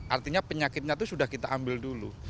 artinya penyakitnya itu sudah kita ambil dulu